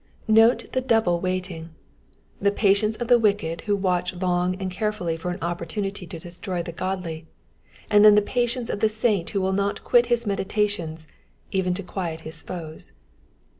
Note the double waiting, — the patience of the wicked who watch long and carefully for an opportunity to destroy the godly, and then the patience of the saint who will not quit his meditations, even to quiet his foes.